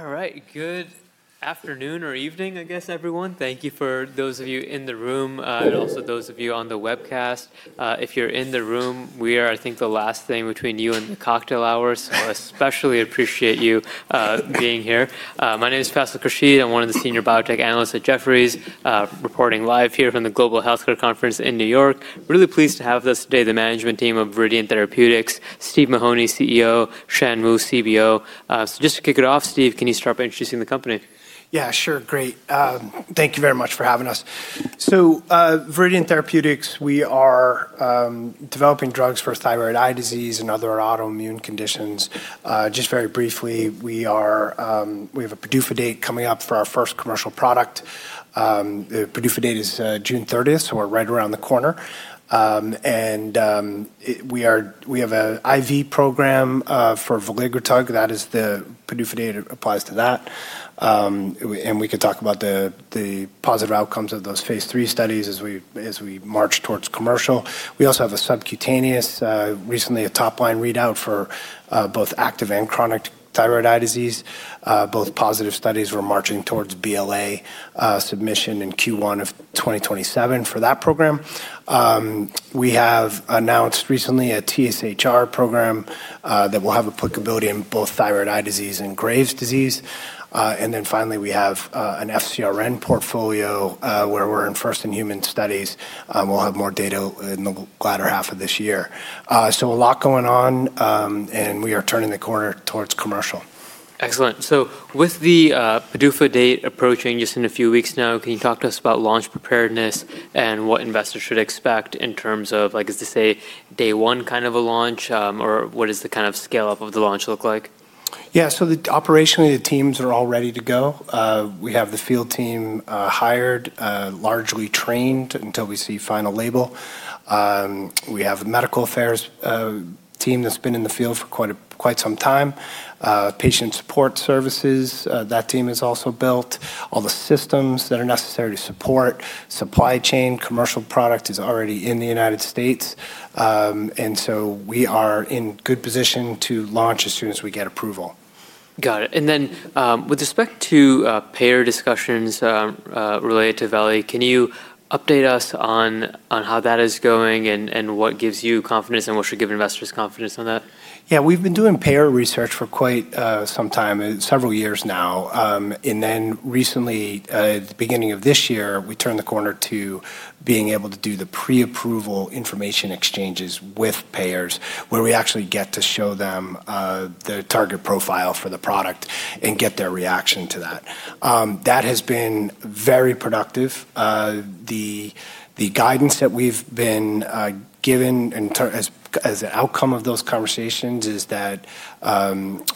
All right. Good afternoon or evening, I guess, everyone. Thank you for those of you in the room, and also those of you on the webcast. If you're in the room, we are, I think, the last thing between you and the cocktail hours, so especially appreciate you being here. My name is Faisal Khurshid. I'm one of the Senior Biotech Analysts at Jefferies, reporting live here from the Global Healthcare Conference in New York. Really pleased to have this today, the management team of Viridian Therapeutics, Steve Mahoney, CEO, Shan Wu, CBO. Just to kick it off, Steve, can you start by introducing the company? Sure. Great. Thank you very much for having us. Viridian Therapeutics, we are developing drugs for thyroid eye disease and other autoimmune conditions. Just very briefly, we have a PDUFA date coming up for our first commercial product. The PDUFA date is 30 June 2026, we're right around the corner. We have an IV program for veligrotug. The PDUFA date applies to that, we can talk about the positive outcomes of those phase III studies as we march towards commercial. We also have a subcutaneous, recently a top-line readout for both active and chronic thyroid eye disease, both positive studies. We're marching towards BLA submission in Q1 of 2027 for that program. We have announced recently a TSHR program that will have applicability in both thyroid eye disease and Graves' disease. Finally, we have an FcRn portfolio where we're in first-in-human studies. We'll have more data in the latter half of this year. A lot going on, and we are turning the corner towards commercial. Excellent. With the PDUFA date approaching just in a few weeks now, can you talk to us about launch preparedness and what investors should expect in terms of, is this a day one kind of a launch, or what does the scale-up of the launch look like? Yeah. Operationally, the teams are all ready to go. We have the field team hired, largely trained until we see the final label. We have a medical affairs team that's been in the field for quite some time. Patient support services, that team is also built. All the systems that are necessary to support supply chain commercial product is already in the U.S. We are in good position to launch as soon as we get approval. Got it. Then with respect to payer discussions related to veli, can you update us on how that is going and what gives you confidence and what should give investors confidence on that? Yeah, we've been doing payer research for quite some time, several years now. Recently, at the beginning of this year, we turned the corner to being able to do the pre-approval information exchanges with payers where we actually get to show them the target profile for the product and get their reaction to that. That has been very productive. The guidance that we've been given as an outcome of those conversations is that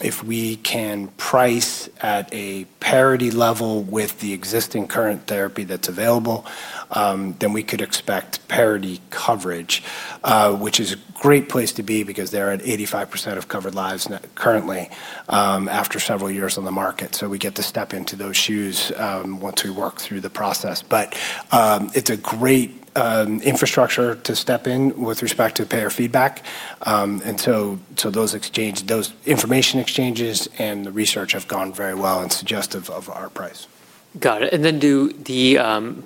if we can price at a parity level with the existing current therapy that's available, then we could expect parity coverage, which is a great place to be because they're at 85% of covered lives currently after several years on the market. We get to step into those shoes once we work through the process. It's a great infrastructure to step in with respect to payer feedback. Those information exchanges and the research have gone very well and suggestive of our price. Got it. Do the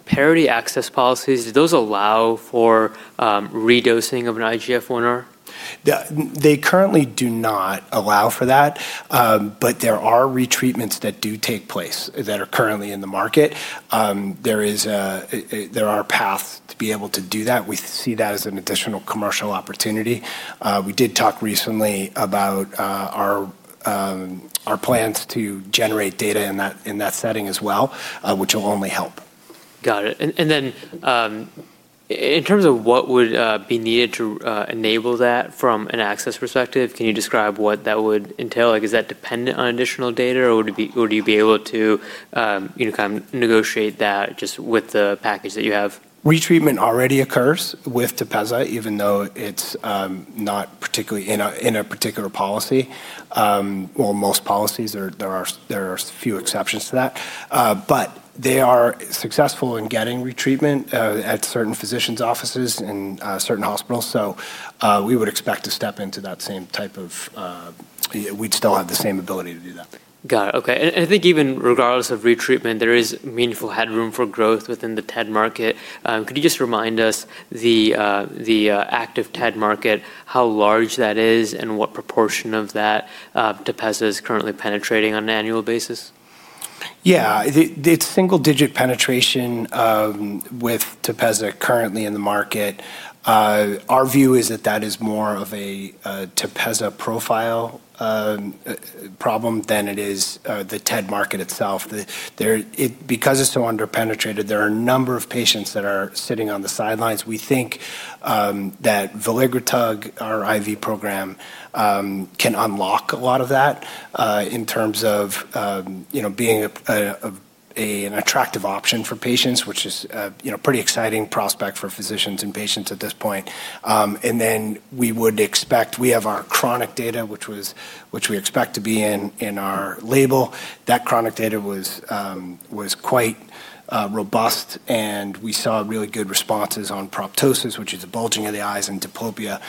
parity access policies, do those allow for redosing of an IGF-1R? They currently do not allow for that, but there are retreatments that do take place that are currently in the market. There are paths to be able to do that. We see that as an additional commercial opportunity. We did talk recently about our plans to generate data in that setting as well, which will only help. Got it. In terms of what would be needed to enable that from an access perspective, can you describe what that would entail? Is that dependent on additional data, or would you be able to negotiate that just with the package that you have? Retreatment already occurs with TEPEZZA, even though it's not in a particular policy. Well, most policies are. There are few exceptions to that. They are successful in getting retreatment at certain physicians' offices and certain hospitals, so we'd still have the same ability to do that. Got it, okay. I think even regardless of retreatment, there is meaningful headroom for growth within the TED market. Could you just remind us the active TED market, how large that is and what proportion of that TEPEZZA is currently penetrating on an annual basis? Yeah. It's single-digit penetration with TEPEZZA currently in the market. Our view is that that is more of a TEPEZZA profile problem than it is the TED market itself. Because it's so under-penetrated, there are a number of patients that are sitting on the sidelines. We think that veligrotug, our IV program, can unlock a lot of that in terms of being an attractive option for patients, which is a pretty exciting prospect for physicians and patients at this point. We would expect, we have our chronic data, which we expect to be in our label. That chronic data was quite robust, and we saw really good responses on proptosis, which is a bulging of the eyes and diplopia.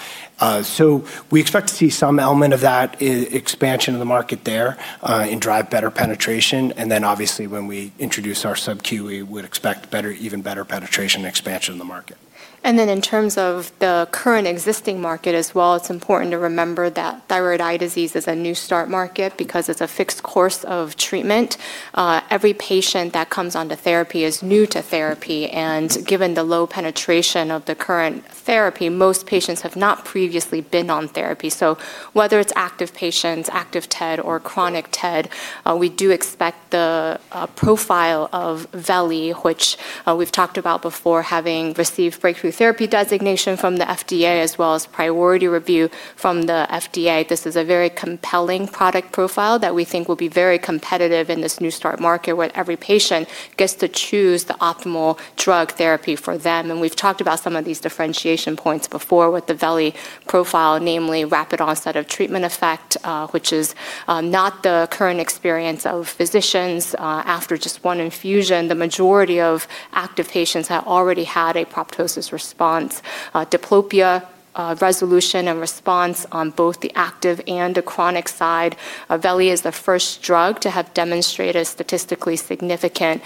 We expect to see some element of that expansion in the market there and drive better penetration. Obviously when we introduce our subQ, we would expect even better penetration expansion in the market. In terms of the current existing market as well, it's important to remember that thyroid eye disease is a new start market because it's a fixed course of treatment. Every patient that comes onto therapy is new to therapy. Given the low penetration of the current therapy, most patients have not previously been on therapy. Whether it's active patients, active TED or chronic TED, we do expect the profile of veli, which we've talked about before, having received breakthrough therapy designation from the FDA as well as priority review from the FDA. This is a very compelling product profile that we think will be very competitive in this new start market, where every patient gets to choose the optimal drug therapy for them. We've talked about some of these differentiation points before with the veli profile, namely rapid onset of treatment effect, which is not the current experience of physicians. After just one infusion, the majority of active patients already had a proptosis response. Diplopia resolution and response on both the active and the chronic side. Veli is the first drug to have demonstrated statistically significant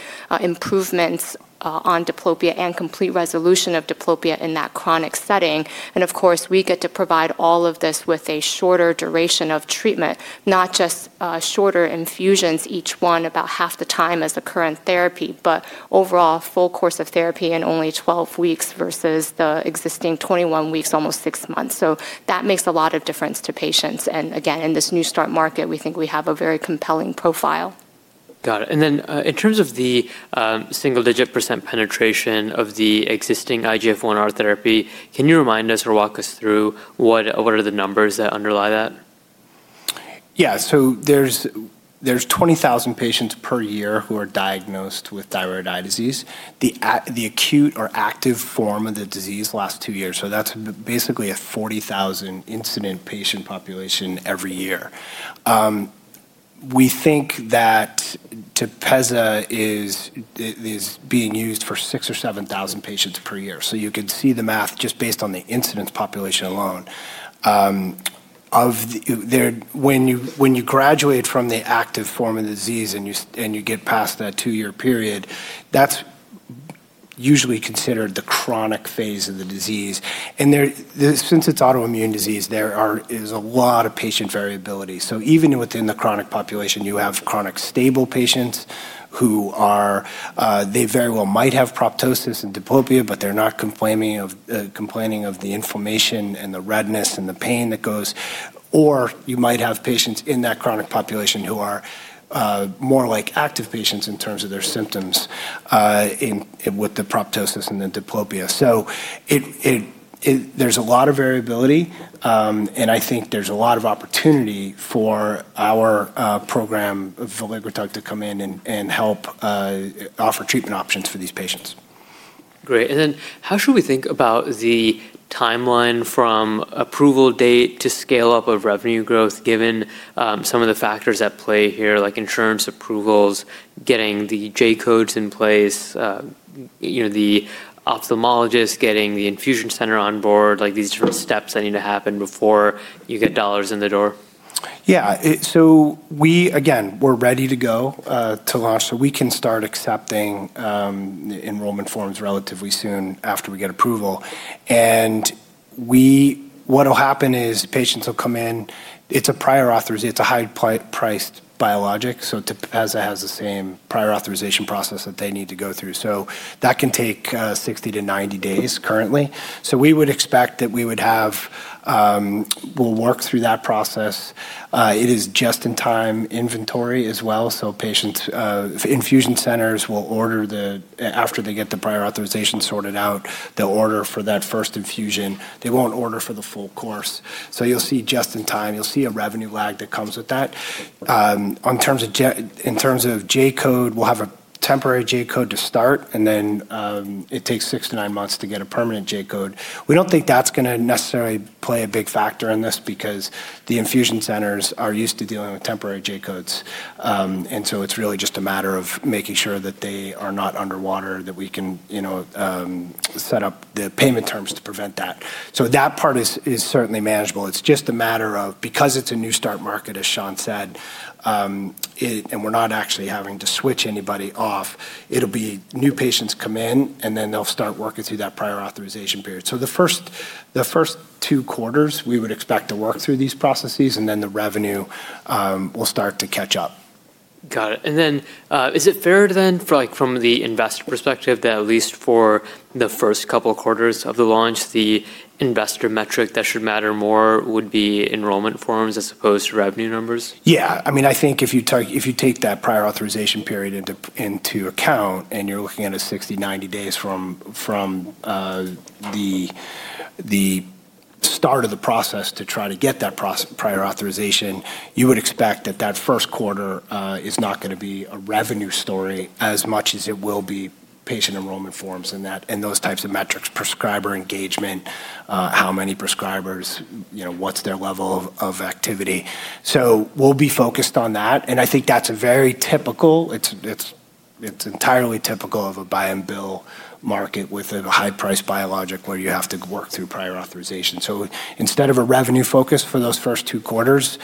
improvements on diplopia and complete resolution of diplopia in that chronic setting. Of course, we get to provide all of this with a shorter duration of treatment, not just shorter infusions, each one about half the time as the current therapy, but overall full course of therapy in only 12 weeks versus the existing 21 weeks, almost six months. That makes a lot of difference to patients. Again, in this new start market, we think we have a very compelling profile. Got it. Then in terms of the single-digit percent penetration of the existing IGF-1R therapy, can you remind us or walk us through what are the numbers that underlie that? Yeah. There's 20,000 patients per year who are diagnosed with thyroid eye disease. The acute or active form of the disease lasts two years, so that's basically a 40,000 incident patient population every year. We think that TEPEZZA is being used for 6,000 or 7,000 patients per year. You could see the math just based on the incidence population alone. When you graduate from the active form of the disease and you get past that two-year period, that's usually considered the chronic phase of the disease. Since it's autoimmune disease, there is a lot of patient variability. Even within the chronic population, you have chronic stable patients they very well might have proptosis and diplopia, but they're not complaining of the inflammation and the redness and the pain that goes. You might have patients in that chronic population who are more like active patients in terms of their symptoms with the proptosis and the diplopia. There's a lot of variability, and I think there's a lot of opportunity for our program of veligrotug to come in and help offer treatment options for these patients. Great. How should we think about the timeline from approval date to scale-up of revenue growth, given some of the factors at play here, like insurance approvals, getting the J-codes in place, the ophthalmologist getting the infusion center on board, these different steps that need to happen before you get dollars in the door? Yeah. Again, we're ready to go to launch, so we can start accepting enrollment forms relatively soon after we get approval. What'll happen is patients will come in. It's a prior auth. It's a high-priced biologic, so TEPEZZA has the same prior authorization process that they need to go through. That can take 60 to 90 days currently. We would expect that we'll work through that process. It is just-in-time inventory as well, so infusion centers, after they get the prior authorization sorted out, they'll order for that first infusion. They won't order for the full course. You'll see just in time, you'll see a revenue lag that comes with that. In terms of J-code, we'll have a temporary J-code to start, and then it takes six to nine months to get a permanent J-code. We don't think that's going to necessarily play a big factor in this because the infusion centers are used to dealing with temporary J-codes. It's really just a matter of making sure that they are not underwater, that we can set up the payment terms to prevent that. That part is certainly manageable. It's just a matter of, because it's a new start market, as Shan said, and we're not actually having to switch anybody off, it'll be new patients come in, and then they'll start working through that prior authorization period. The first two quarters, we would expect to work through these processes, and then the revenue will start to catch up. Got it. Is it fair then from the investor perspective that at least for the first couple of quarters of the launch, the investor metric that should matter more would be enrollment forms as opposed to revenue numbers? Yeah. I think if you take that prior authorization period into account and you're looking at a 60, 90 days from the start of the process to try to get that prior authorization, you would expect that that first quarter is not going to be a revenue story as much as it will be patient enrollment forms and those types of metrics, prescriber engagement, how many prescribers, what's their level of activity. We'll be focused on that, and I think that's very typical. It's entirely typical of a buy and bill market with a high-priced biologic where you have to work through prior authorization. Instead of a revenue focus for those first two quarters,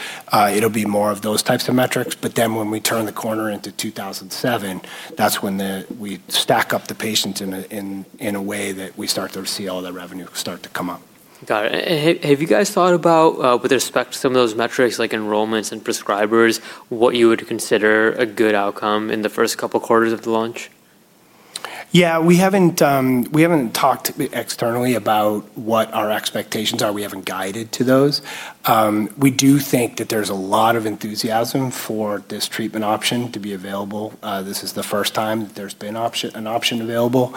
it'll be more of those types of metrics. When we turn the corner into 2007, that's when we stack up the patients in a way that we start to see all that revenue start to come up. Got it. Have you guys thought about, with respect to some of those metrics, like enrollments and prescribers, what you would consider a good outcome in the first couple quarters of the launch? Yeah, we haven't talked externally about what our expectations are. We haven't guided to those. We do think that there's a lot of enthusiasm for this treatment option to be available. This is the first time that there's been an option available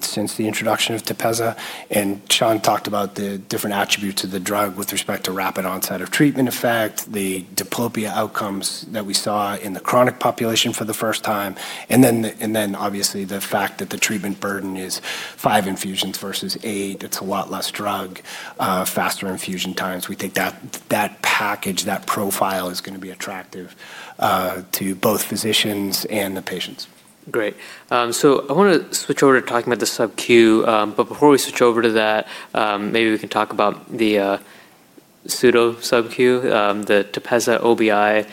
since the introduction of TEPEZZA, and Shan talked about the different attributes of the drug with respect to rapid onset of treatment effect, the diplopia outcomes that we saw in the chronic population for the first time, and then obviously the fact that the treatment burden is five infusions versus eight. It's a lot less drug, faster infusion times. We think that package, that profile is going to be attractive to both physicians and the patients. Great. I want to switch over to talking about the subQ, but before we switch over to that, maybe we can talk about the pseudo subQ, the TEPEZZA OBI.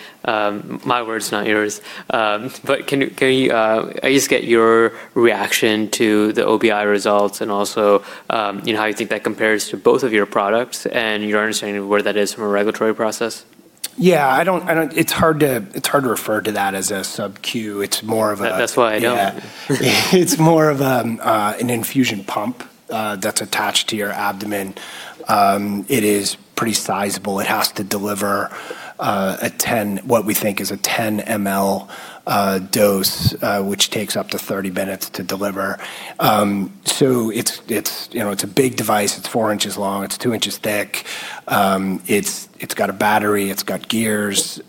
My words, not yours. Can I at least get your reaction to the OBI results and also how you think that compares to both of your products and your understanding of where that is from a regulatory process? Yeah, it's hard to refer to that as a subQ. That's why I know. Yeah. It's more of an infusion pump that's attached to your abdomen. It is pretty sizable. It has to deliver what we think is a 10mL dose, which takes up to 30 minutes to deliver. It's a big device. It's four inches long, it's two inches thick. It's got a battery, it's got gears.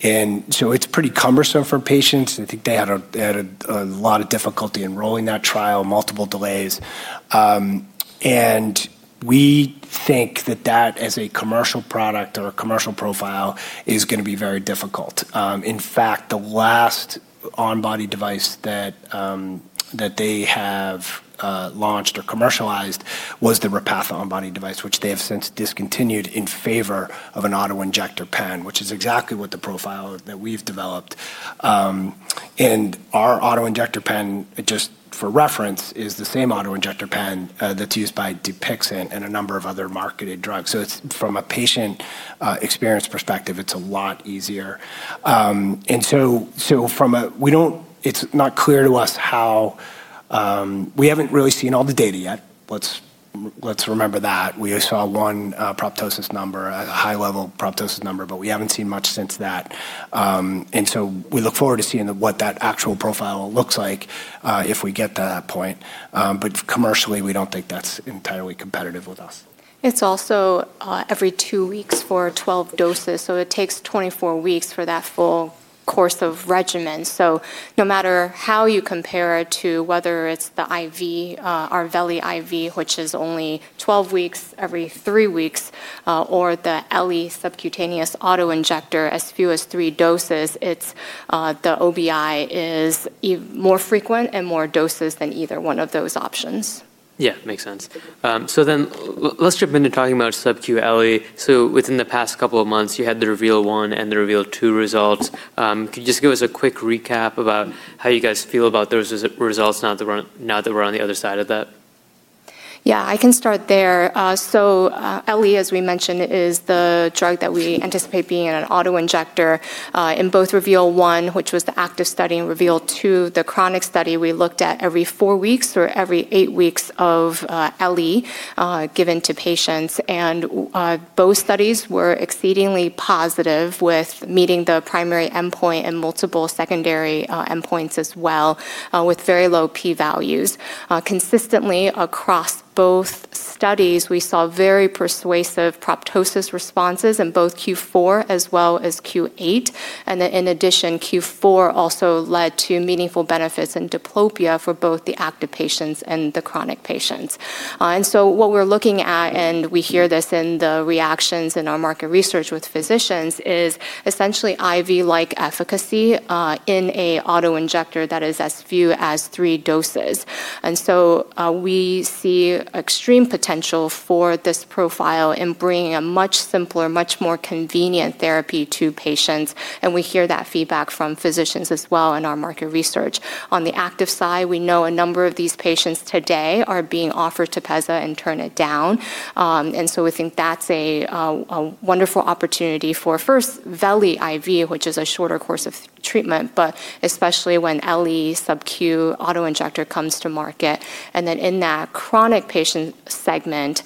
It's pretty cumbersome for patients. I think they had a lot of difficulty enrolling that trial, multiple delays. We think that that, as a commercial product or a commercial profile, is going to be very difficult. In fact, the last on-body device that they have launched or commercialized was the Repatha on-body device, which they have since discontinued in favor of an auto-injector pen, which is exactly what the profile that we've developed. Our auto-injector pen, just for reference, is the same auto-injector pen that's used by DUPIXENT and a number of other marketed drugs. From a patient experience perspective, it's a lot easier. It's not clear to us We haven't really seen all the data yet. Let's remember that. We saw one proptosis number, a high-level proptosis number, but we haven't seen much since that. We look forward to seeing what that actual profile looks like, if we get to that point. Commercially, we don't think that's entirely competitive with us. It's also every two weeks for 12 doses, so it takes 24 weeks for that full course of regimen. No matter how you compare it to, whether it's our veli IV, which is only 12 weeks every three weeks, or the ELE subcutaneous auto-injector, as few as three doses, the OBI is more frequent and more doses than either one of those options. Yeah, makes sense. Let's jump into talking about subQ ELE. Within the past couple of months, you had the REVEAL-1 and the REVEAL-2 results. Could you just give us a quick recap about how you guys feel about those results now that we're on the other side of that? I can start there. ELE, as we mentioned, is the drug that we anticipate being in an auto-injector. In both REVEAL-1, which was the active study, and REVEAL-2, the chronic study, we looked at every four weeks or every eight weeks of ELE given to patients. Both studies were exceedingly positive with meeting the primary endpoint and multiple secondary endpoints as well with very low P values. Consistently across both studies, we saw very persuasive proptosis responses in both Q4 as well as Q8. In addition, Q4 also led to meaningful benefits in diplopia for both the active patients and the chronic patients. What we're looking at, and we hear this in the reactions in our market research with physicians, is essentially IV-like efficacy in an auto-injector that is as few as three doses. We see extreme potential for this profile in bringing a much simpler, much more convenient therapy to patients, and we hear that feedback from physicians as well in our market research. On the active side, we know a number of these patients today are being offered TEPEZZA and turn it down. We think that's a wonderful opportunity for first veli IV, which is a shorter course of treatment, but especially when ELE subQ auto-injector comes to market. In that chronic patient segment,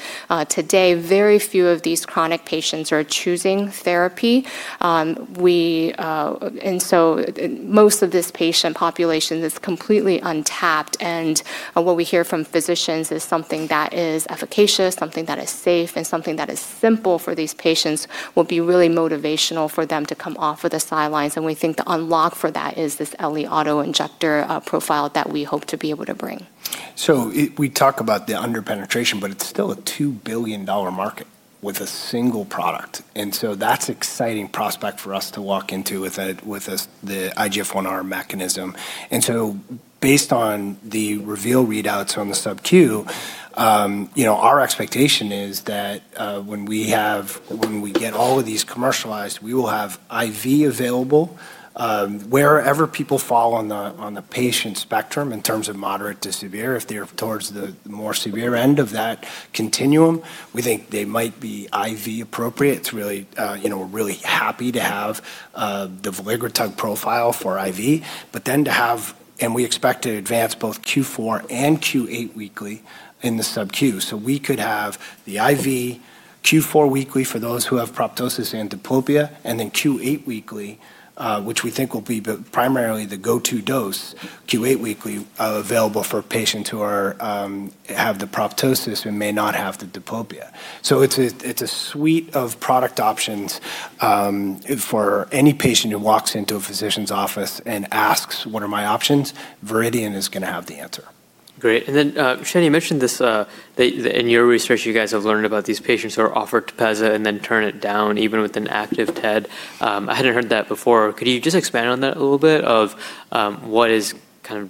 today, very few of these chronic patients are choosing therapy. Most of this patient population is completely untapped, and what we hear from physicians is something that is efficacious, something that is safe, and something that is simple for these patients will be really motivational for them to come off of the sidelines. We think the unlock for that is this ELE auto-injector profile that we hope to be able to bring. We talk about the under-penetration. It's still a $2 billion market with a single product. That's exciting prospect for us to walk into with the IGF-1R mechanism. Based on the REVEAL readouts on the subQ, our expectation is that when we get all of these commercialized, we will have IV available wherever people fall on the patient spectrum in terms of moderate to severe. If they're towards the more severe end of that continuum, we think they might be IV appropriate. We're really happy to have the veligrotug profile for IV. We expect to advance both Q4 and Q8 weekly in the subQ. We could have the IV Q4 weekly for those who have proptosis and diplopia, and then Q8 weekly, which we think will be primarily the go-to dose, Q8 weekly available for patients who have the proptosis who may not have the diplopia. It's a suite of product options for any patient who walks into a physician's office and asks, "What are my options?" Viridian is going to have the answer. Great. Shan, you mentioned this, in your research, you guys have learned about these patients who are offered TEPEZZA and then turn it down even with an active TED. I hadn't heard that before. Could you just expand on that a little bit of what is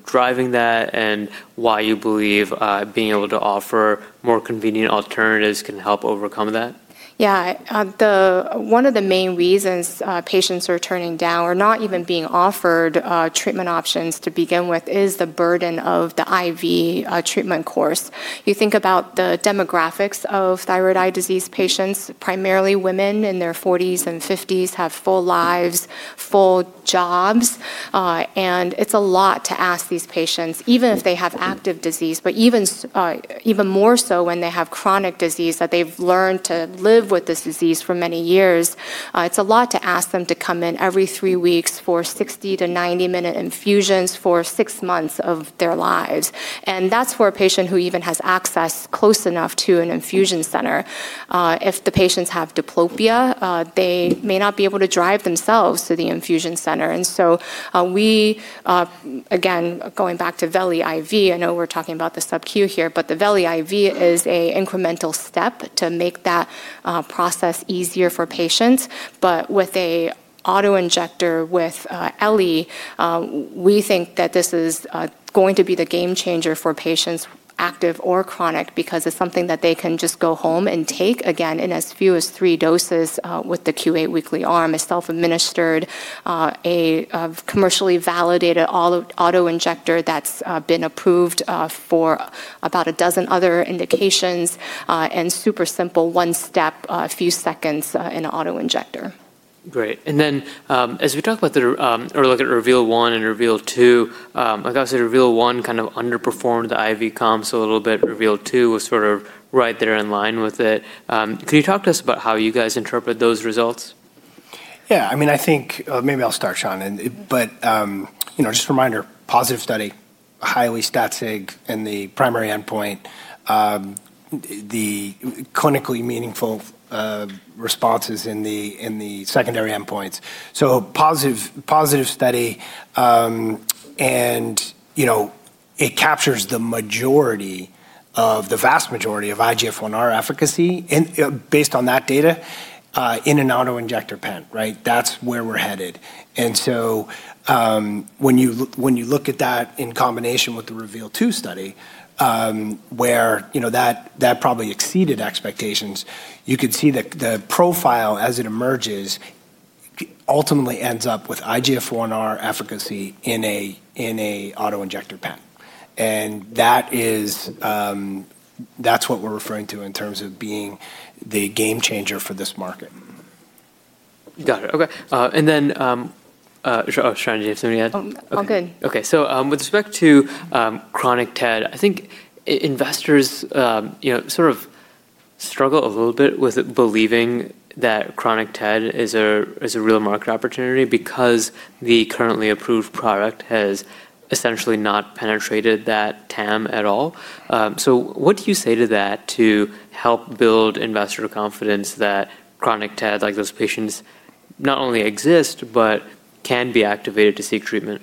driving that and why you believe being able to offer more convenient alternatives can help overcome that? Yeah. One of the main reasons patients are turning down or not even being offered treatment options to begin with is the burden of the IV treatment course. You think about the demographics of thyroid eye disease patients, primarily women in their 40s and 50s, have full lives, full jobs. It's a lot to ask these patients, even if they have active disease. Even more so when they have chronic disease that they've learned to live with this disease for many years. It's a lot to ask them to come in every three weeks for 60-90-minute infusions for six months of their lives. That's for a patient who even has access close enough to an infusion center. If the patients have diplopia, they may not be able to drive themselves to the infusion center. We, again, going back to veli IV, I know we're talking about the subQ here, but the veli IV is a incremental step to make that process easier for patients. With a auto-injector with ELE, we think that this is going to be the game changer for patients, active or chronic, because it's something that they can just go home and take, again, in as few as three doses with the Q8 weekly arm. It's self-administered, a commercially validated auto-injector that's been approved for about a dozen other indications and super simple one step, a few seconds in an auto-injector. Great. As we look at REVEAL-1 and REVEAL-2, like I said, REVEAL-1 underperformed the IV comp a little bit. REVEAL-2 was right there in line with it. Can you talk to us about how you guys interpret those results? Yeah. Maybe I'll start, Shan. Just a reminder, positive study, highly stats sig in the primary endpoint, the clinically meaningful responses in the secondary endpoints. Positive study, it captures the vast majority of IGF-1R efficacy based on that data in an auto-injector pen. That's where we're headed. When you look at that in combination with the REVEAL-2 study, where that probably exceeded expectations, you could see the profile as it emerges ultimately ends up with IGF-1R efficacy in an auto-injector pen. That's what we're referring to in terms of being the game changer for this market. Got it. Okay. Shan, do you have something to add? I'm good. Okay. With respect to chronic TED, I think investors struggle a little bit with believing that chronic TED is a real market opportunity because the currently approved product has essentially not penetrated that TAM at all. What do you say to that to help build investor confidence that chronic TED, those patients not only exist but can be activated to seek treatment?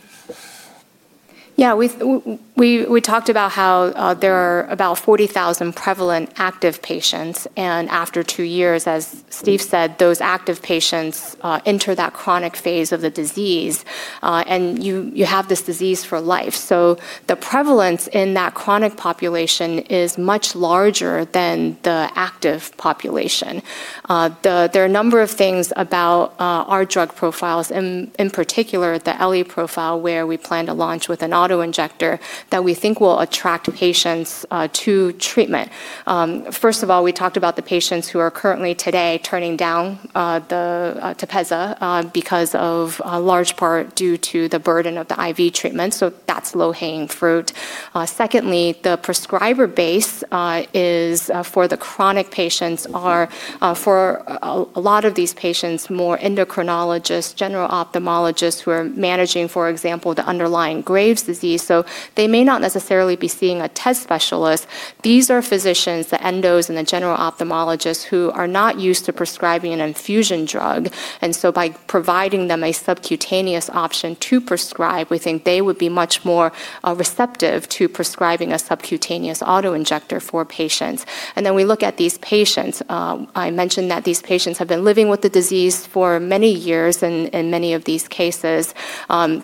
We talked about how there are about 40,000 prevalent active patients, and after two years, as Steve said, those active patients enter that chronic phase of the disease. You have this disease for life. The prevalence in that chronic population is much larger than the active population. There are a number of things about our drug profiles, in particular the ELE profile, where we plan to launch with an auto-injector that we think will attract patients to treatment. First of all, we talked about the patients who are currently today turning down the TEPEZZA because of large part due to the burden of the IV treatment. That's low-hanging fruit. Secondly, the prescriber base for the chronic patients are for a lot of these patients, more endocrinologists, general ophthalmologists who are managing, for example, the underlying Graves' disease. They may not necessarily be seeing a TED specialist. These are physicians, the endos and the general ophthalmologists, who are not used to prescribing an infusion drug. By providing them a subcutaneous option to prescribe, we think they would be much more receptive to prescribing a subcutaneous auto-injector for patients. We look at these patients. I mentioned that these patients have been living with the disease for many years in many of these cases.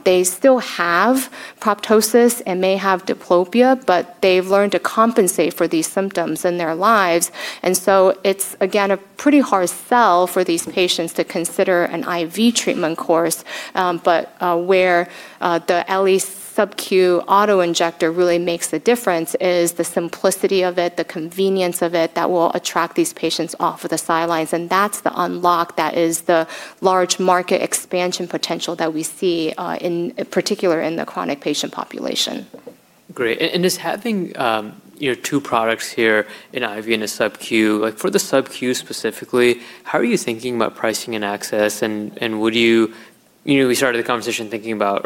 They still have proptosis and may have diplopia, but they've learned to compensate for these symptoms in their lives. It's, again, a pretty hard sell for these patients to consider an IV treatment course. Where the ELE subQ auto-injector really makes the difference is the simplicity of it, the convenience of it that will attract these patients off of the sidelines. That's the unlock that is the large market expansion potential that we see in particular in the chronic patient population. Great. Does having two products here, an IV and a subQ, for the subQ specifically, how are you thinking about pricing and access? We started the conversation talking about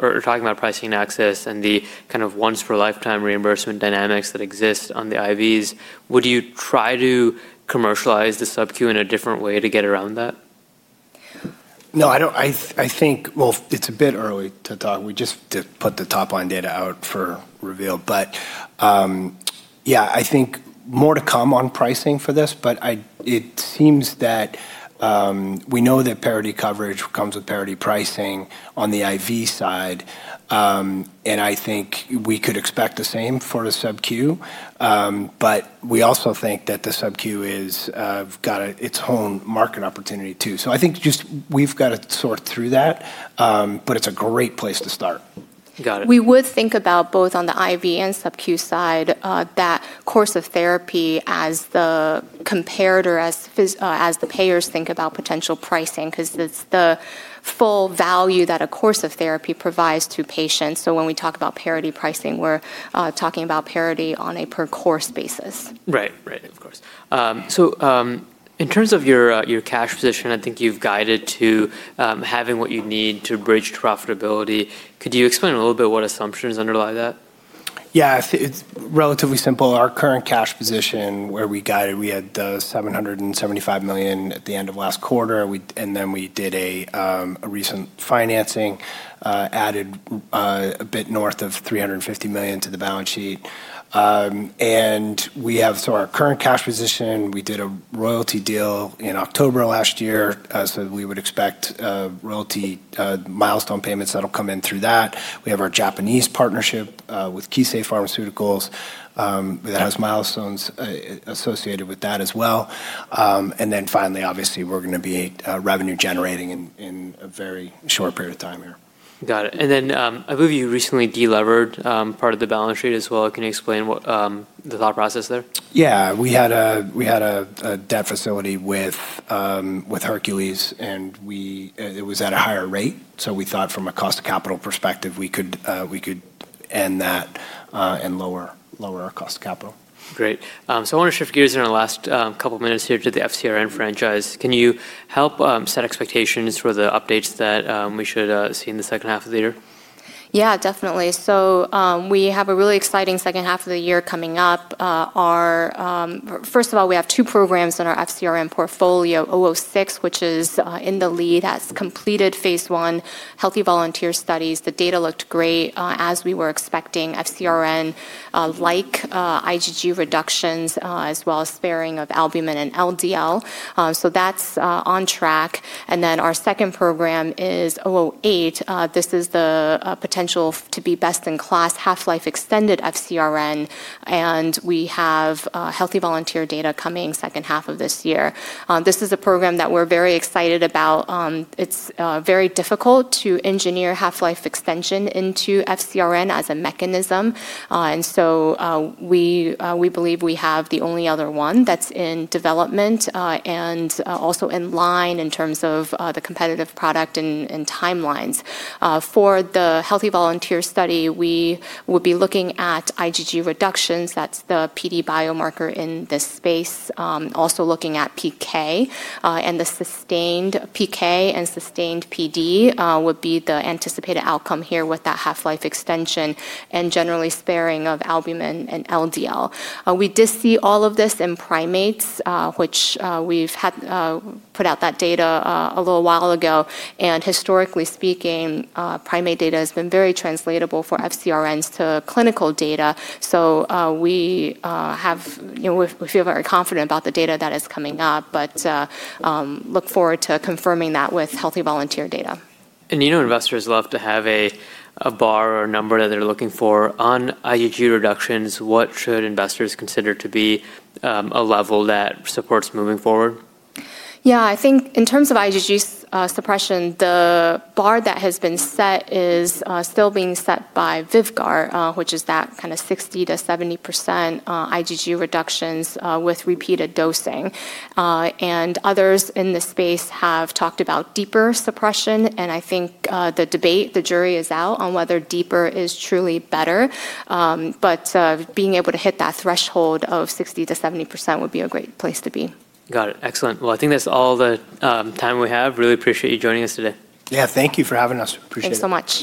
pricing and access and the kind of once for lifetime reimbursement dynamics that exist on the IVs. Would you try to commercialize the subQ in a different way to get around that? No. It's a bit early to talk. We just put the top-line data out for REVEAL. Yeah, I think more to come on pricing for this. It seems that we know that parity coverage comes with parity pricing on the IV side, and I think we could expect the same for the subQ. We also think that the subQ has got its own market opportunity, too. I think just we've got to sort through that, but it's a great place to start. Got it. We would think about both on the IV and subQ side that course of therapy as the comparator, as the payers think about potential pricing, because it's the full value that a course of therapy provides to patients. When we talk about parity pricing, we're talking about parity on a per course basis. Right. Of course. In terms of your cash position, I think you've guided to having what you need to bridge profitability. Could you explain a little bit what assumptions underlie that? It's relatively simple. Our current cash position, where we guided, we had the $775 million at the end of last quarter. We did a recent financing, added a bit north of $350 million to the balance sheet. Our current cash position, we did a royalty deal in October of last year, so we would expect royalty milestone payments that'll come in through that. We have our Japanese partnership with Kissei Pharmaceutical, that has milestones associated with that as well. Finally, obviously, we're going to be revenue generating in a very short period of time here. Got it. I believe you recently de-levered part of the balance sheet as well. Can you explain the thought process there? Yeah. We had a debt facility with Hercules, and it was at a higher rate, so we thought from a cost of capital perspective, we could end that and lower our cost of capital. Great. I want to shift gears in our last couple of minutes here to the FcRn franchise. Can you help set expectations for the updates that we should see in the second half of the year? Definitely. We have a really exciting second half of the year coming up. First of all, we have two programs in our FcRn portfolio, 006, which is in the lead, has completed phase I healthy volunteer studies. The data looked great, as we were expecting FcRn-like IgG reductions, as well as sparing of albumin and LDL. That's on track. Our second program is 008. This is the potential to be best-in-class half-life extended FcRn, and we have healthy volunteer data coming second half of this year. This is a program that we're very excited about. It's very difficult to engineer half-life extension into FcRn as a mechanism. We believe we have the only other one that's in development and also in line in terms of the competitive product and timelines. For the healthy volunteer study, we will be looking at IgG reductions. That's the PD biomarker in this space. Also looking at PK and the sustained PK and sustained PD would be the anticipated outcome here with that half-life extension and generally sparing of albumin and LDL. Historically speaking, primate data has been very translatable for FcRns to clinical data. We feel very confident about the data that is coming up, but look forward to confirming that with healthy volunteer data. You know investors love to have a bar or a number that they're looking for. On IgG reductions, what should investors consider to be a level that supports moving forward? Yeah, I think in terms of IgG suppression, the bar that has been set is still being set by VYVGART, which is that kind of 60%-70% IgG reductions with repeated dosing. Others in this space have talked about deeper suppression, and I think the debate, the jury is out on whether deeper is truly better. Being able to hit that threshold of 60%-70% would be a great place to be. Got it. Excellent. Well, I think that's all the time we have. Really appreciate you joining us today. Yeah, thank you for having us. Appreciate it. Thanks so much.